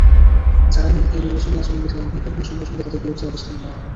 যারাই নির্বাচনী আচরণবিধি লঙ্ঘন করবেন সঙ্গে সঙ্গে তাঁদের বিরুদ্ধে ব্যবস্থা নেওয়া হবে।